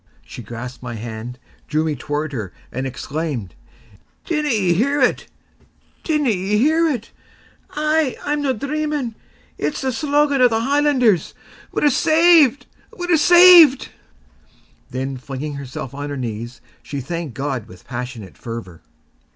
She grasped my hand, drew me toward her, and exclaimed: "Dinna ye hear it? dinna ye hear it? Aye. I'm no dreaming: it's the slogan o' the Highlanders! We're saved! we're saved!" Then, flinging herself on her knees, she thanked God with passionate fervour.